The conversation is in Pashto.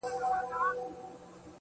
• ستا بې روخۍ ته به شعرونه ليکم.